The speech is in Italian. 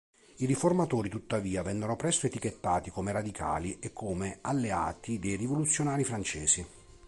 I riformatori, tuttavia, vennero presto etichettati come radicali e come alleati dei rivoluzionari francesi.